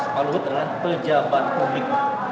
pak luhut adalah pejabat publik